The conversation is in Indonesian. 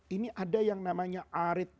ini ada yang namanya arit